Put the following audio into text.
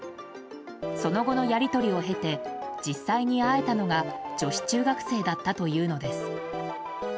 その後のやり取りを経て実際に会えたのが女子中学生だったというのです。